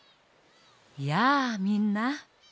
やあみんな。